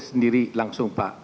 sendiri langsung pak